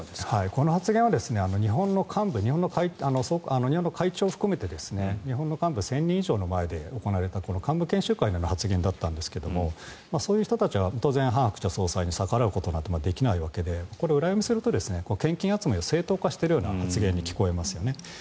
この発言は日本の幹部、日本の会長を含めて日本の幹部１０００人以上の前で行われた幹部研修会での発言だったんですがそういう人たちは当然ハン・ハクチャ総裁に逆らうことはできないのでこれ、裏読みすると献金集めを正当化している発言に聞こえますよね。